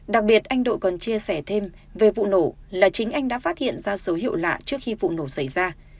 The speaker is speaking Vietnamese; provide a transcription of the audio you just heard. đặc biệt anh đội còn chia sẻ thêm về vụ nổ là chính anh đã phát hiện ra số hiệu lạ trước khi vụ nổ xảy ra